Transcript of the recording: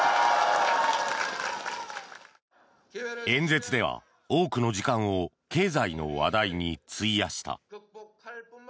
演説では多くの時間を経済の話題に費やした。